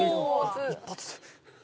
「一発」